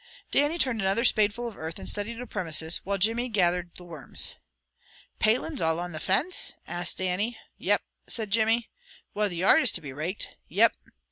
Dannie turned another spadeful of earth and studied the premises, while Jimmy gathered the worms. "Palins all on the fence?" asked Dannie. "Yep," said Jimmy. "Well, the yard is to be raked." "Yep."